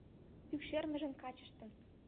Пӱкшермыжын качыштым